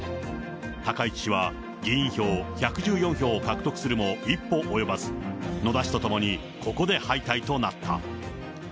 高市氏は、議員票１１４票を獲得するも、一歩及ばず、野田氏と共にここで敗退となった。